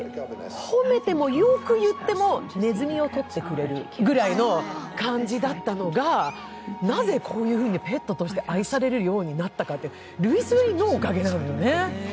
褒めても、よく言ってもねずみをとってれるくらいの感じだったのが、なぜこういうふうにペットとして愛されるようになったかってルイス・ウェインのおかげなのね。